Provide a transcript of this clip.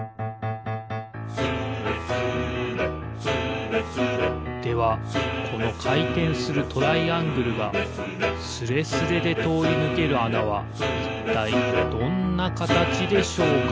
「スレスレスーレスレ」ではこのかいてんするトライアングルがスレスレでとおりぬけるあなはいったいどんなかたちでしょうか？